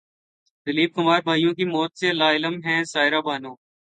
دلیپ کمار بھائیوں کی موت سے لاعلم ہیں سائرہ بانو